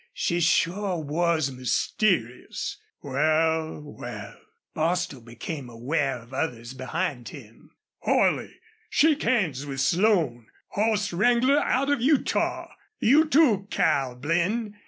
She sure was mysterious.... Wal, wal." Bostil became aware of others behind him. "Holley, shake hands with Slone, hoss wrangler out of Utah.... You, too, Cal Blinn....